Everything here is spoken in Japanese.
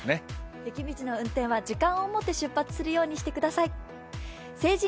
雪道の運転は時間をもって出発するようにしてください。